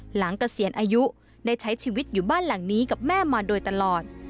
เกษียณอายุได้ใช้ชีวิตอยู่บ้านหลังนี้กับแม่มาโดยตลอด